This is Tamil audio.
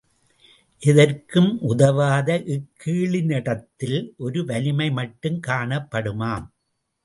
எதற்கும் உதவாத இக்கீழினிடத்தில் ஒரு வலிமை மட்டுங் காணப்படுமாம்.